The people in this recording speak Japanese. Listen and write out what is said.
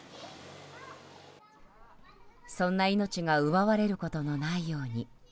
そんな命が奪われることのないように。